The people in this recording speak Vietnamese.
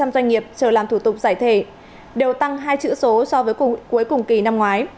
và một bảy một trăm linh doanh nghiệp chờ làm thủ tục giải thể đều tăng hai chữ số so với cuối cùng kỳ năm ngoái